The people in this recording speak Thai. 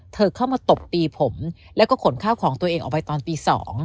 เข้ามาตบตีผมแล้วก็ขนข้าวของตัวเองออกไปตอนตี๒